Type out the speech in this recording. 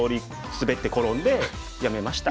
滑って転んでやめました。